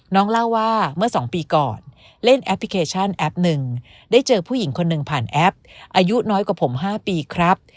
เล่าว่าเมื่อ๒ปีก่อนเล่นแอปพลิเคชันแอปหนึ่งได้เจอผู้หญิงคนหนึ่งผ่านแอปอายุน้อยกว่าผม๕ปีครับ